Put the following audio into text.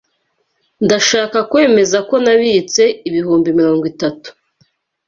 Ndashaka kwemeza ko nabitse ibihumbi mirongo itatu.